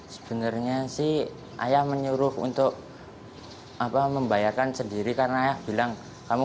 sebenarnya sih ayah menyuruh untuk membayarkan sendiri karena ayah bilang kamu